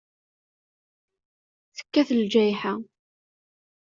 Tekkat lǧayḥa.